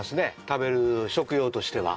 食べる食用としては。